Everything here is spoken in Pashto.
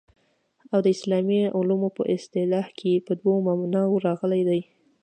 او د اسلامي علومو په اصطلاح کي په دوو معناوو راغلې ده.